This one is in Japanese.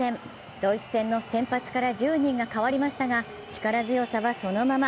ドイツ戦の先発から１０人が変わりましたが力強さはそのまま。